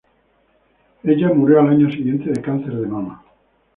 Ella murió al año siguiente de cáncer de mama.